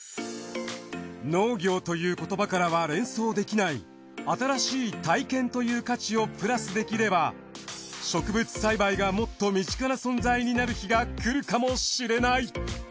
農業という言葉からは連想できない新しい体験という価値をプラスできれば植物栽培がもっと身近な存在になる日が来るかもしれない。